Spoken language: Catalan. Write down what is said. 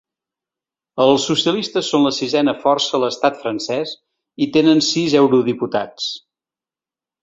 Els socialistes són la sisena força a l’estat francès i tenen sis eurodiputats.